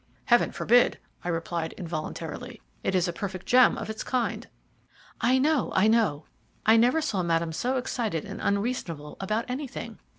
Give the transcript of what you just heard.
"Heaven forbid!" I replied involuntarily; "it is a perfect gem of its kind." "I know! I know! I never saw Madame so excited and unreasonable about anything.